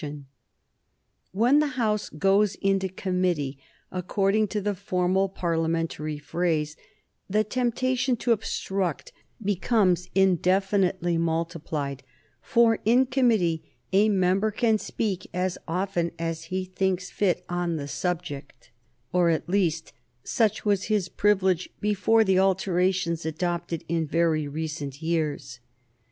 [Sidenote: 1831 Parliamentary procedure] When the House goes into committee, according to the formal Parliamentary phrase, the temptation to obstruct becomes indefinitely multiplied, for in committee a member can speak as often as he thinks fit on the subject or, at least, such was his privilege before the alterations adopted in very recent years.